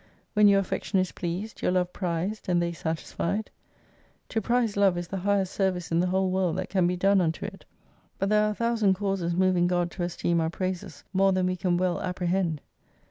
When your affection is pleased, your love prized, and they satisfied ? To prize love is the highest service in the whole world that can be done unto it. But there are a thousand causes moving God to esteem our praises, more than we can well apprehend.